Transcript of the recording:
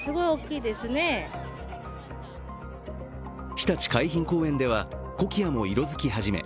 ひたち海浜公園ではコキアも色づき始め